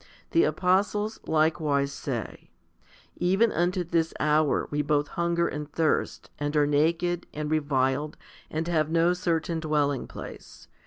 ^ The apostles likewise sa,y,JEven unto this hour we both hunger and thirst, and are naked, and reviled, and have no certain dwelling place.